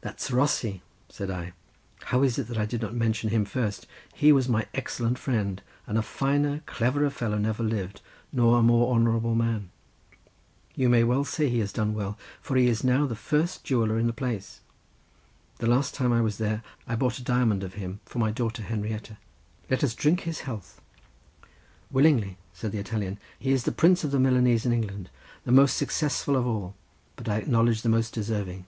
"That's Rossi," said I, "how is it that I did not mention him first? He is my excellent friend, and a finer cleverer fellow never lived, nor a more honourable man. You may well say he has done well, for he is now the first jeweller in the place. The last time I was there I bought a diamond of him for my daughter Henrietta. Let us drink his health!" "Willingly!" said the Italian. "He is the prince of the Milanese of England—the most successful of all, but I acknowledge the most deserving.